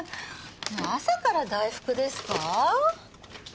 朝から大福ですか？